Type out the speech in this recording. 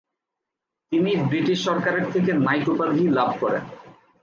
তিনি ব্রিটিশ সরকারের থেকে নাইট উপাধি লাভ করেন ।